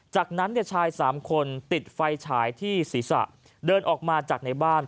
จากนั้นชาย๓คนติดไฟฉายที่ศีรษะเดินออกมาจากในบ้าน